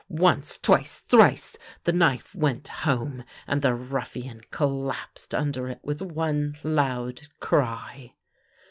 Once, twice, thrice the knife went home, and the ruffian collapsed under it with one loud cry.